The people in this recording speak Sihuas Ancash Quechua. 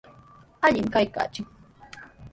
Allimi kaykanchik.